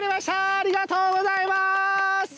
ありがとうございます！